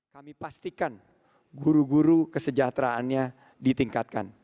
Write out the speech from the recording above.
kami pastikan guru guru kesejahteraannya ditingkatkan